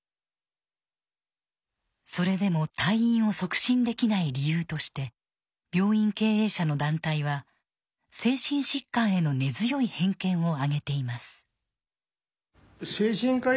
それでも退院を促進できない理由として病院経営者の団体は精神疾患への根強い偏見を挙げています。